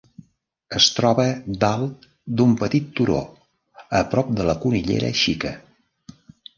Es troba dalt d'un petit turó, a prop de la Conillera Xica.